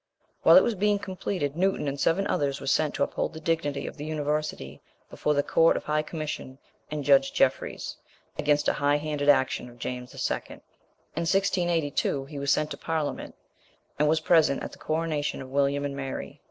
While it was being completed Newton and seven others were sent to uphold the dignity of the University, before the Court of High Commission and Judge Jeffreys, against a high handed action of James II. In 1682 he was sent to Parliament, and was present at the coronation of William and Mary.